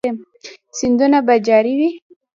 سیندونه به جاری وي؟